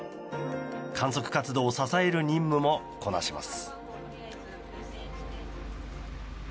観測活動を支える任務もこなします。